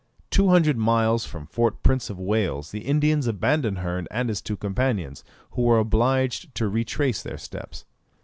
Two hundred miles from Fort Prince of Wales the Indians abandoned Hearn and his two companions, who were obliged to retrace their steps.